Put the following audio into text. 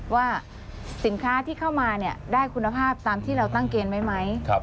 ว่าสินค้าที่เข้ามาได้คุณภาพตามที่เราตั้งเกณฑ์ไว้ไหม